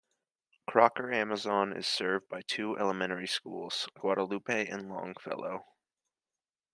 Crocker-Amazon is served by two elementary schools, Guadalupe and Longfellow.